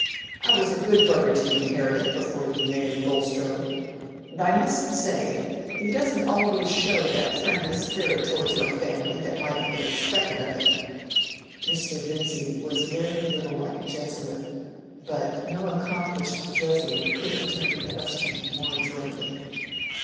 I was a good brother to you, Harriet, before you married Bulstrode, and I must say he doesn't always show that friendly spirit towards your family that might have been expected of him." Mr. Vincy was very little like a Jesuit, but no accomplished Jesuit could have turned a question more adroitly.